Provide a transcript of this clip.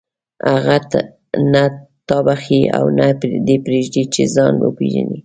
هغه نه تا بخښي او نه دې پرېږدي چې ځان وپېژنې.